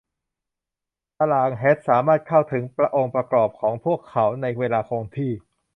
ตารางแฮชสามารถเข้าถึงองค์ประกอบของพวกเขาในเวลาคงที่